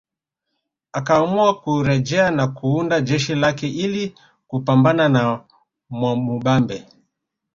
Akaamua kurejea na kuunda jeshi lake ili kupambana na Mwamubambe